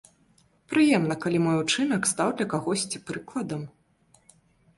Прыемна, калі мой учынак стаў для кагосьці прыкладам.